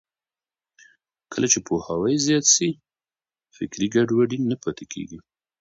کله چې پوهاوی زیات شي، فکري ګډوډي نه پاتې کېږي.